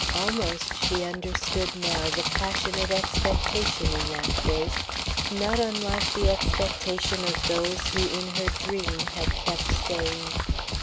Almost she understood now the passionate expectation in that face, not unlike the expectation of those who in her dream had kept saying "You."